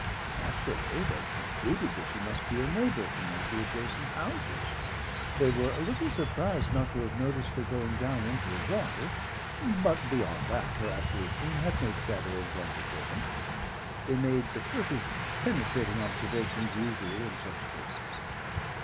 Naturally they concluded that she must be a neighbour from one of the adjacent houses. They were a little surprised not to have noticed her going down into the water, but beyond that her apparition had no shadow of wonder for them. They made the furtive penetrating observations usual in such cases.